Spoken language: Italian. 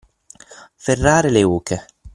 Ferrare le oche.